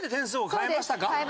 変えました。